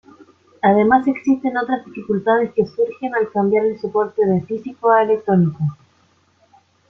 Además, existen otras dificultades que surgen al cambiar el soporte de físico a electrónico.